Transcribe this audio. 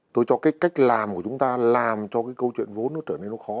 tôi cho cái cách làm của chúng ta làm cho cái câu chuyện vốn nó trở nên nó khó